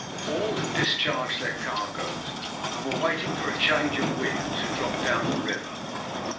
All had discharged their cargoes, and were waiting for a change of wind to drop down the river.